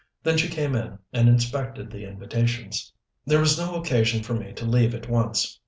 Then she came in and inspected the invitations. There was no occasion for me to leave at once.